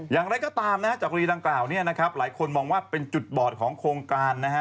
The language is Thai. อย่างไรก็ตามจากกรีดังกล่าวหลายคนมองว่าเป็นจุดบอร์ดของโครงการ